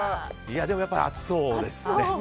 でも、やっぱり暑そうですね。